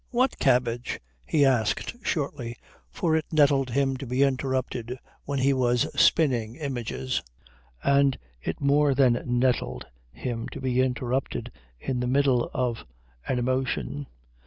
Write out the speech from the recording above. "What cabbage?" he asked shortly, for it nettled him to be interrupted when he was spinning images, and it more than nettled him to be interrupted in the middle of an emotion.